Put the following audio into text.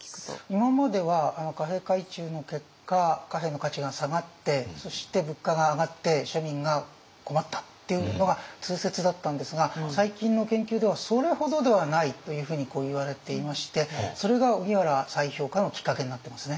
今までは貨幣改鋳の結果貨幣の価値が下がってそして物価が上がって市民が困ったっていうのが通説だったんですが最近の研究ではそれほどではないというふうにいわれていましてそれが荻原再評価のきっかけになってますね。